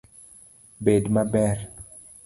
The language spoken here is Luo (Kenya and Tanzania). Bed maber